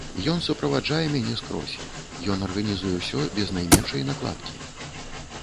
Ён суправаджае мяне скрозь, ён арганізуе ўсё без найменшай накладкі.